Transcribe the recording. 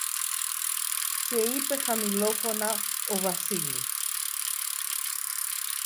Και είπε χαμηλόφωνα ο Βασίλης: